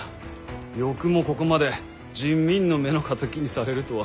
よくもここまで人民の目の敵にされるとは。